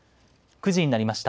９時になりました。